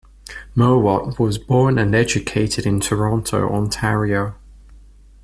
Mowat was born and educated in Toronto, Ontario.